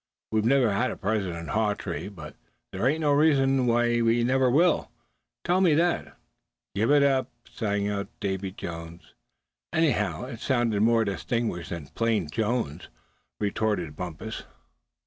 We've never had a President Hawtree; but that ain't no reason we never will, is it? Tell me that." "Give it up," sang out Davy Jones. "Anyhow, it'd sound more distinguished than plain Jones," retorted Bumpus.